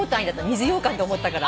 水ようかんって思ったから。